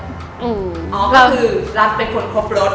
อ๋อก็คือรัฐเป็นคนครบรส